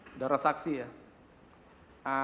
sedara saksi ya